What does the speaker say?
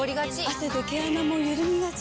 汗で毛穴もゆるみがち。